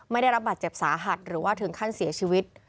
ได้รับบาดเจ็บสาหัสหรือว่าถึงขั้นเสียชีวิต